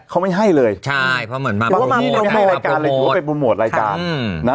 เขาไม่ให้เลยใช่เพราะเหมือนมาหรือว่าไปโปรโมทรายการนะ